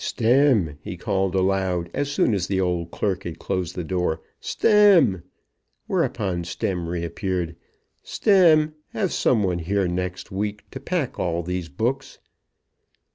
"Stemm!" he called aloud, as soon as the old clerk had closed the door; "Stemm!" Whereupon Stemm reappeared. "Stemm, have some one here next week to pack all these books."